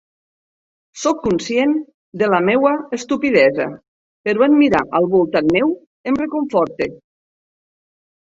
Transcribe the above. Soc conscient de la meua estupidesa, però en mirar al voltant meu em reconforte.